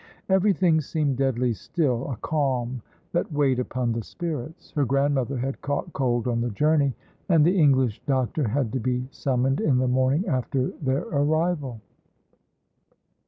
Everything seemed deadly still, a calm that weighed upon the spirits. Her grandmother had caught cold on the journey, and the English doctor had to be summoned in the morning after their arrival.